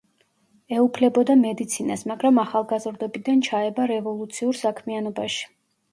ეუფლებოდა მედიცინას, მაგრამ ახალგაზრდობიდან ჩაება რევოლუციურ საქმიანობაში.